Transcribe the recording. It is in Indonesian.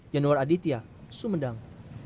januar aditya sumedang